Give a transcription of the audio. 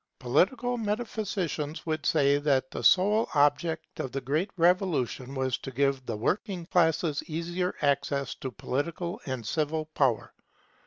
Political metaphysicians would say that the sole object of the Great Revolution was to give the working classes easier access to political and civil power.